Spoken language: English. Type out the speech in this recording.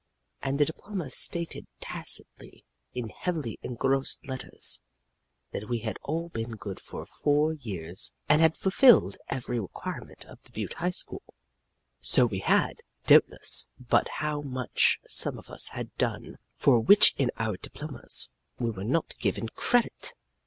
And the diplomas stated tacitly, in heavily engrossed letters, that we had all been good for four years and had fulfilled every requirement of the Butte High School. So we had, doubtless but how much some of us had done for which in our diplomas we were not given credit!